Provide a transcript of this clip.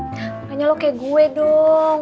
pokoknya lo kayak gue dong